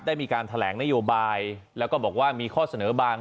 ได้มีการแถลงนโยบายแล้วก็บอกว่ามีข้อเสนอบาง